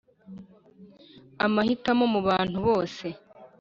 amuhitamo mu bantu bose.